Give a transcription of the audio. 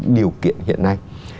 điều kiện hiện nay